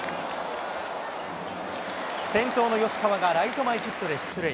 先頭の吉川がライト前ヒットで出塁。